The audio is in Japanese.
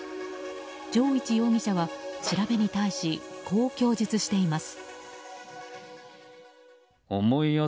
城市容疑者は調べに対し、こう供述しています。